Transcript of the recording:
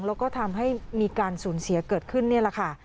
แล้วก็ทำให้มีการสูญเสียเกิดขึ้นนี่แหละค่ะ